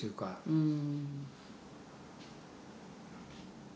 うん。